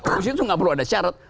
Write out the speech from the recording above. oposisi itu tidak perlu ada syarat